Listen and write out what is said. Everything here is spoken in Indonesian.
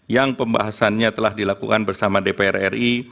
yang pembahasannya telah dilakukan bersama dpr ri